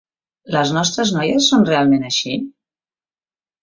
Les nostres noies són realment així?